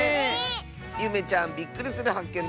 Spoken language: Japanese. ゆめちゃんびっくりするはっけん